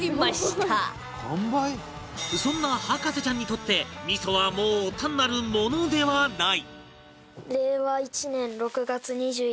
そんな博士ちゃんにとって味噌はもう単なる「もの」ではない